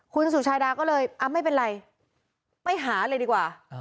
คุณสุชาดาก็เลยไม่เป็นไรไปหาเลยดีกว่า